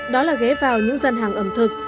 đó là ghé vào những dân hàng ẩm thực